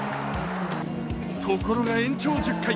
ところが延長１０回。